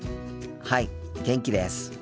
はい元気です。